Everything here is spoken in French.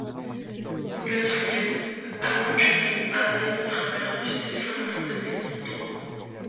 Boulatruelle, accoutumé à aller de travers, fit cette fois la faute d’aller droit.